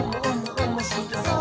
おもしろそう！」